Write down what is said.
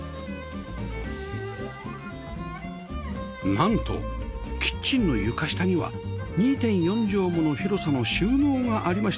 なんとキッチンの床下には ２．４ 畳もの広さの収納がありました